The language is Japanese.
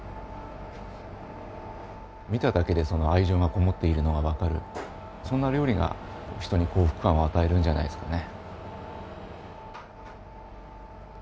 見ただけで愛情がこもっているのがわかるそんな料理が人に幸福感を与えるんじゃないですかね。